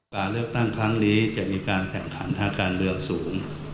การเลือกตั้งครั้งนี้จะมีการแข่งขันทางการเมืองสูง